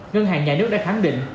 ngân hàng nhà nước đã khẳng định